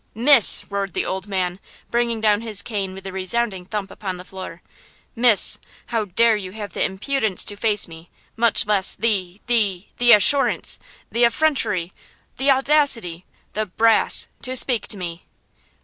"Miss!" roared the old man, bringing down his cane with a resounding thump upon the floor; "miss! how dare you have the impudence to face me, much less the–the–the assurance!–the effrontery!–the audacity!–the brass! to speak to me!"